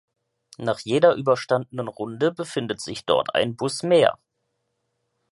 Nach jeder überstandenen Runde befindet sich dort ein Bus mehr.